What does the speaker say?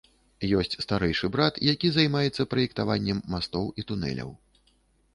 Ёсць старэйшы брат, які займаецца праектаваннем мастоў і тунэляў.